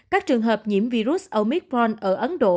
các trường hợp nhiễm virus omicron ở ấn độ